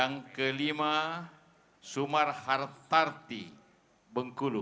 yang ke lima sumar hartarti bengkulu